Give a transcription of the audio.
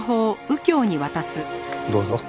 どうぞ。